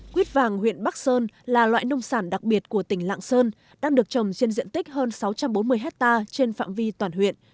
quýt vàng huyện bắc sơn là loại nông sản đặc biệt của tỉnh lạng sơn đang được trồng trên diện tích hơn sáu trăm bốn mươi hectare trên phạm vi toàn huyện